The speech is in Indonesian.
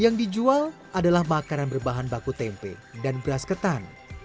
yang dijual adalah makanan berbahan baku tempe dan beras ketan